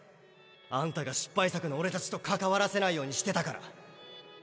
あんたが失敗作の俺たちと関わらせないようにしてたから。